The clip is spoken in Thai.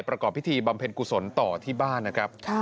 ประกอบพิธีบำเพ็ญกุศลต่อที่บ้านนะครับ